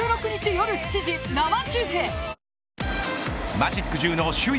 マジック１０の首位